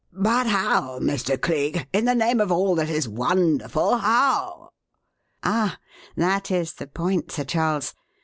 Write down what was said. "But how, Mr. Cleek in the name of all that is wonderful, how?" "Ah, that is the point, Sir Charles.